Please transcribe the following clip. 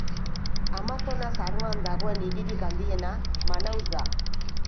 Amazonas arroan dagoen hiririk handiena Manaus da.